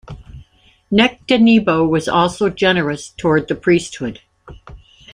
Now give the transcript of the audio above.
Nectanebo was also generous towards the priesthood.